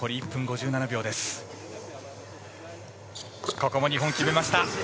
ここも日本、決めました。